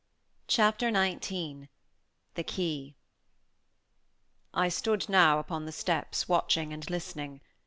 Chapter XIX THE KEY I stood now upon the steps, watching and listening.